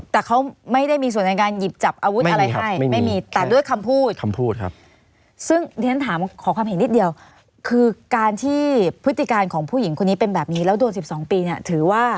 แต่เขาไม่ได้มีส่วนในการหยิบจับอาวุธอะไรให้ไม่มีแต่ด้วยคำพูดคำพูดครับซึ่งที่ฉันถามขอความเห็นนิดเดียวคือการที่พฤติการของผู้หญิงคนนี้เป็นแบบนี้แล้วโดน๑๒ปีเนี่ยถือว่า